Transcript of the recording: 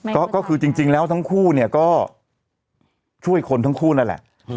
ก็คือจริงแล้วทั้งคู่เนี่ยก็ช่วยคนทั้งคู่นั่นแหละ